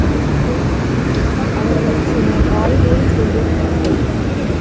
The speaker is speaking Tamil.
அவர்கள் சுமார் பாதி தூரம் சென்றிருப்பார்கள்.